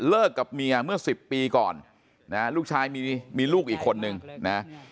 กับเมียเมื่อ๑๐ปีก่อนนะฮะลูกชายมีลูกอีกคนนึงนะ